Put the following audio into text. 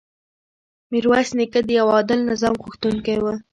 میرویس نیکه د یو عادل نظام غوښتونکی و.